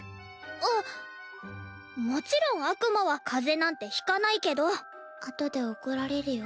あっもちろん悪魔は風邪なんてひかないけどあとで怒られるよ？